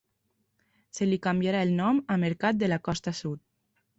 Se li canviarà el nom a Mercat de la Costa Sud.